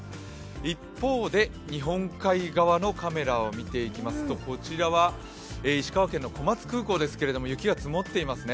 一方で日本海側のカメラを見ていきますと、こちらは石川県の小松空港ですけれども、雪が積もっていますね。